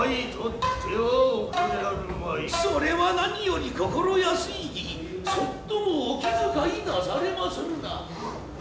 「それは何より心やすいちょっともお気遣いなされまするな」。